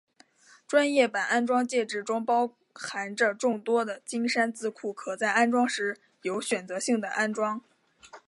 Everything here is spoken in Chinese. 专业版安装介质中包含着众多的金山字库可在安装时有选择性的安装。